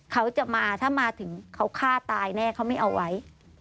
เขาจะมาถ้ามาถึงเขาฆ่าตายแน่เขาไม่เอาไว้